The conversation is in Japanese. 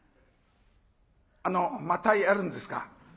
「あのまたやるんですか？